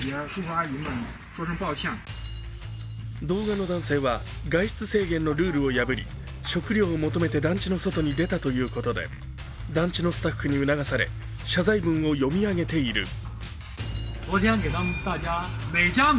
動画の男性は外出制限のルールを破り、食料を求めて団地の外に出たということで団地のスタッフに促され、謝罪文を読み上げている。